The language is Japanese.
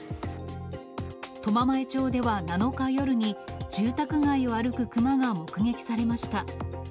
苫前町では７日夜に、住宅街を歩くクマが目撃されました。